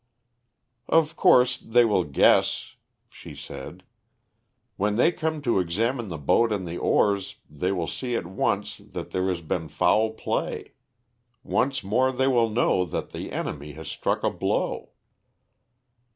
"Of course, they will guess," she said. "When they come to examine the boat and the oars they will see at once that there has been foul play. Once more they will know that the enemy has struck a blow."